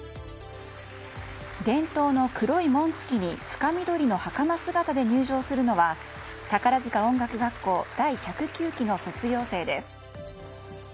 伝統の黒い紋付きに深緑のはかま姿で入場するのは宝塚音楽学校第１０９期の卒業生です。